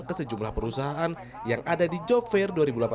ke sejumlah perusahaan yang ada di job fair dua ribu delapan belas